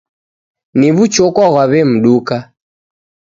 Ni w'uchokwa ghwaw'emduka.